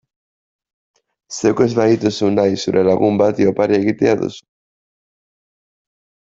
Zeuk ez badituzu nahi zure lagun bati opari egitea duzu.